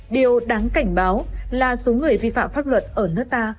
điều đáng cảnh báo là số người vi phạm pháp luật ở nước ta